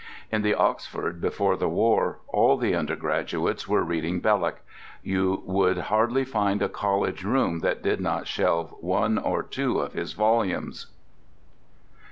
In the Oxford before the war all the undergraduates were reading Belloc: you would hardly find a college room that did not shelve one or two of his volumes.